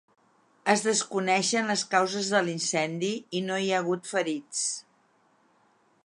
Es desconeixen les causes de l’incendi i no hi ha hagut ferits.